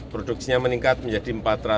produksinya meningkat menjadi